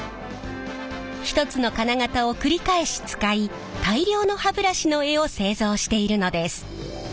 １つの金型を繰り返し使い大量の歯ブラシの柄を製造しているのです。